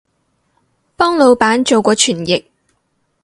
幫腦闆做過傳譯